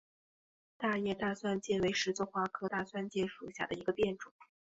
大叶大蒜芥为十字花科大蒜芥属下的一个变种。